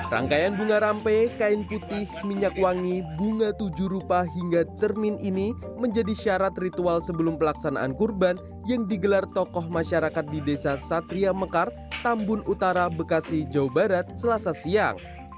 rangkaian bunga rampe kain putih minyak wangi bunga tujuh rupa hingga cermin ini menjadi syarat ritual sebelum pelaksanaan kurban yang digelar tokoh masyarakat di desa satria mekar tambun utara bekasi jawa barat selasa siang